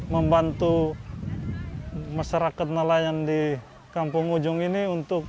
membantu masyarakat nelayan di kampung ujung ini untuk